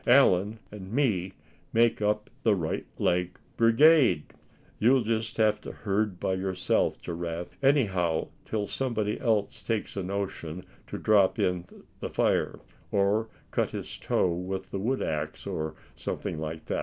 Allan and me make up the right leg brigade. You'll just have to herd by yourself, Giraffe anyhow till somebody else takes a notion to drop in the fire, or cut his toe with the wood axe, or somethin' like that."